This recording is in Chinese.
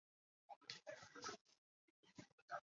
玉川站千日前线的铁路车站。